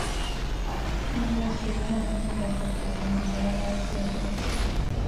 ނަމަވެސް ރީހާން އެހެންކަންތައް ކުރުމުން ޒާރާވެސް ލަދުަގަތީ